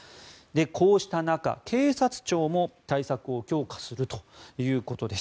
こうした中、警察庁も対策を強化するということです。